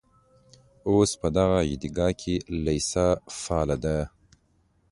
اوس په دغه عیدګاه کې لېسه فعاله ده.